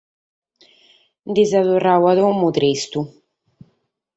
Nde so torradu a domo tristu.